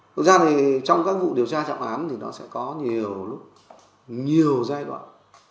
thực ra thì trong các vụ điều tra trọng án thì nó sẽ có nhiều giai đoạn